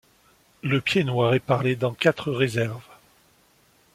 Le pied-noir est parlé dans quatre réserves.